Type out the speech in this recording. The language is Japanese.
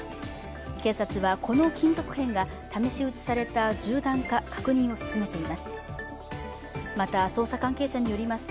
警察は、この金属片が試し撃ちされた銃弾か確認を進めています。